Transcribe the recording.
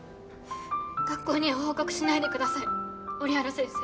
学校には報告しないでください折原先生。